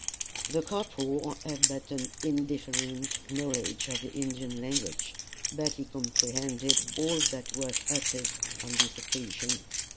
The corporal had but an indifferent knowledge of the Indian language, but he comprehended all that was uttered on this occasion.